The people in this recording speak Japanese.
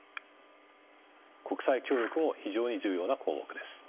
国際協力も非常に重要な項目です。